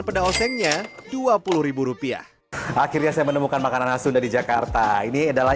peda osengnya dua puluh rupiah akhirnya saya menemukan makanan khas sunda di jakarta ini adalah